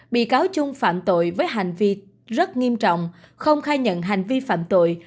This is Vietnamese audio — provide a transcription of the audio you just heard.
bị cáo chung phạm tội với hành vi rất nghiêm trọng không khai nhận hành vi phạm tội